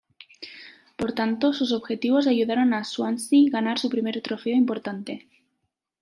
Por tanto, sus objetivos ayudaron Swansea ganar su primer trofeo importante.